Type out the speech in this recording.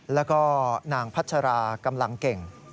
แล้วก็นางพัชรากำลังเก่ง